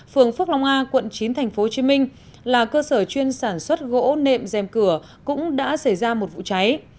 phường phước long a quận chín tp hcm là cơ sở chuyên sản xuất gỗ nệm dèm cửa cũng đã xảy ra một vụ cháy